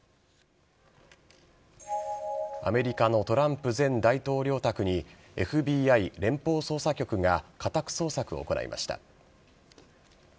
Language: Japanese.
アメリカのトランプ前大統領宅に、ＦＢＩ・連邦捜査局が家宅捜索を行いました。